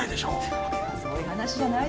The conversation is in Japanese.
それはそういう話じゃないでしょ？